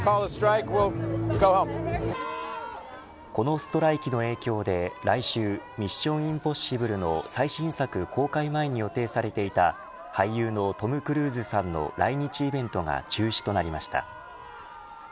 このストライキの影響で、来週ミッション：インポッシブルの最新作公開前に予定されていた俳優のトム・クルーズさんの来日イベントが中止となりました。